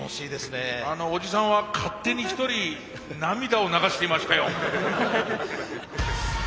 おじさんは勝手に一人涙を流していましたよ。